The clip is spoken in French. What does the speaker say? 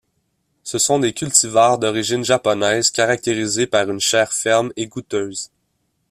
Ce sont des cultivars d'origine japonaise, caractérisés par une chair ferme et gouteuse.